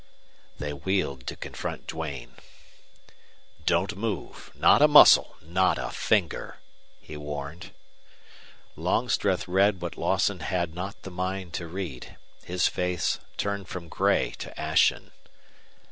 They wheeled to confront Duane. "Don't move! Not a muscle! Not a finger!" he warned. Longstreth read what Lawson had not the mind to read. His face turned from gray to ashen.